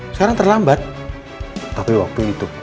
sekarang terlambat tapi waktu itu kamu nggak perlu meneruskan ucapan kamu